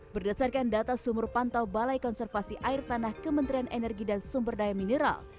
berdasarkan data sumur pantau balai konservasi air tanah kementerian energi dan sumber daya mineral